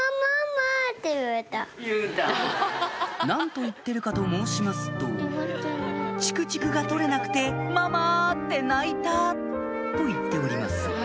何と言ってるかと申しますと「チクチクが取れなくて『ママ！』って泣いた」と言っております